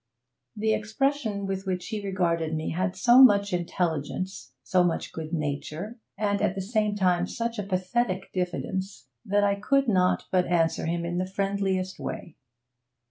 The expression with which he regarded me had so much intelligence, so much good nature, and at the same time such a pathetic diffidence, that I could not but answer him in the friendliest way.